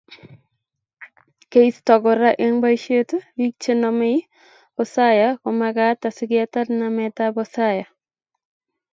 Keisto Kora eng boisiet bik chenomei osoya komagat asiketar nametab osoya